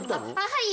はい！